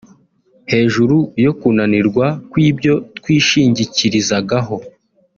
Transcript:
hejuru yo kunanirwa kw’ibyo twishingikirizagaho